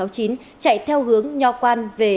chạy theo hướng nhò quan về